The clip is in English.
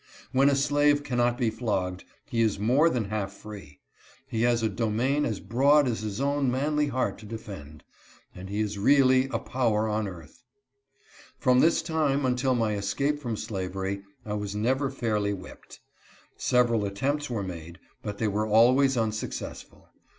When a slave cannot be flogged, he is more than half free. He has a domain as broad as his own manly heart to defend, and he is really "a power on 178 A BOY OF SIXTEEN. earth." From this time until my escape from slavery, I was never fairly whipped. Several attempts were made, but they were always unsuccessful.